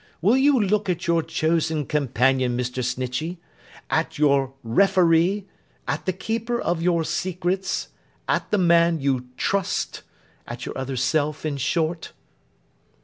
Will you look at your chosen companion, Mr. Snitchey; at your referee, at the keeper of your secrets, at the man you trust; at your other self, in short?